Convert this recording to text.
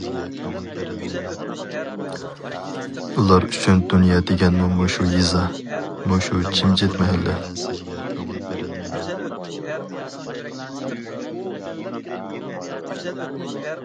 ئۇلار ئۈچۈن دۇنيا دېگەنمۇ مۇشۇ يېزا، مۇشۇ جىمجىت مەھەللە.